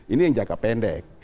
ini yang jangka pendek